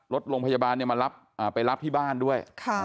รถลงพยาบาลมารับที่บ้านด้วย